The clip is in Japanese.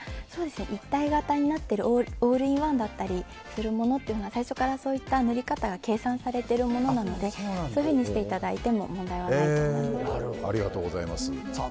一体型になっているオールインワンだったりするものは最初からそういった塗り方が計算されているものなのでそういうふうにしていただいても問題はないと思います。